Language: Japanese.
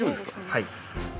はい。